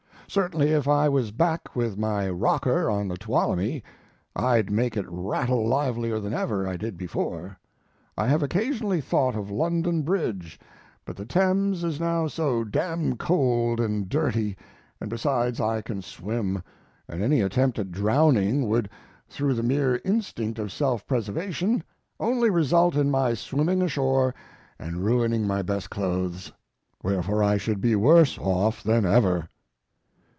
Certainly, if I was back with my rocker on the Tuolumne, I'd make it rattle livelier than ever I did before. I have occasionally thought of London Bridge, but the Thames is now so d d cold and dirty, and besides I can swim, and any attempt at drowning would, through the mere instinct of self preservation, only result in my swimming ashore and ruining my best clothes; wherefore I should be worse off than ever.